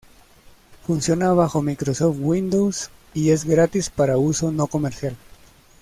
Funciona bajo Microsoft Windows, y es gratis para uso no comercial.